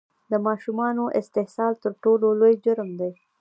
د ماشومانو استحصال تر ټولو لوی جرم دی!